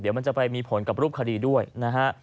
เดี๋ยวมันจะไปมีผลกับรูปคดีด้วยนะฮะ